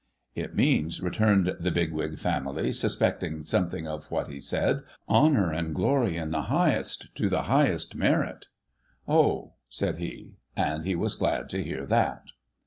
' It means,' returned the Bigwig family, suspecting something of what he said, ' honour and glory in the highest, to the highest merit.' ' Oh !' said he. And he was glad to hear that.